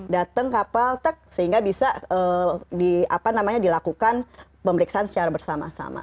datang kapal tek sehingga bisa dilakukan pemeriksaan secara bersama sama